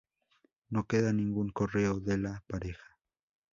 No queda ningún correo de la pareja.